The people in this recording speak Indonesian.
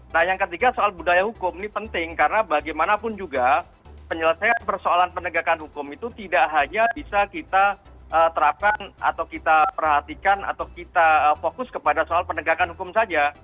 nah yang ketiga soal budaya hukum ini penting karena bagaimanapun juga penyelesaian persoalan penegakan hukum itu tidak hanya bisa kita terapkan atau kita perhatikan atau kita fokus kepada soal penegakan hukum saja